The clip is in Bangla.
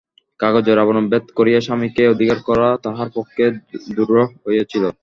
কাগজের আবরণ ভেদ করিয়া স্বামীকে অধিকার করা তাহার পক্ষে দুরূহ হইয়াছিল।